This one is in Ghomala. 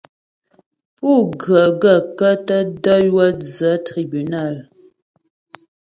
Pú ghə́ gaə̂kə́ tə də̀ wə́ dzə́ tribúnal ?